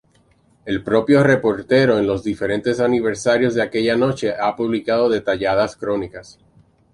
El propio reportero, en los diferentes aniversarios de aquella noche, ha publicado detalladas crónicas.